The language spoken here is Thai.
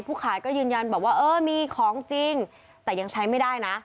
ขายก็ยืนยันบอกว่าเออมีของจริงแต่ยังใช้ไม่ได้นะ